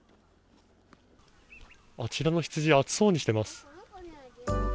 あちらの羊、暑そうにしてます。